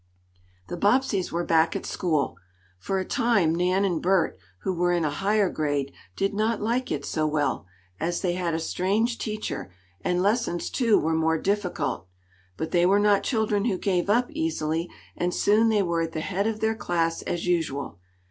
The Bobbseys were back at school. For a time Nan and Bert, who were in a higher grade, did not like it so well, as they had a strange teacher, and lessons, too, were more difficult. But they were not children who gave up easily, and soon they were at the head of their class as usual.